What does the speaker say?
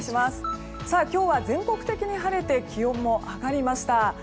今日は全国的に晴れて気温も上がりました。